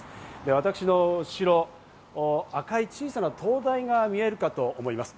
私の後ろ、赤い小さな灯台が見えるかと思います。